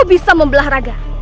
kau bisa membelah raga